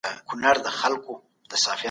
په لابراتوار کې کاغذونه ډېر مهم دي.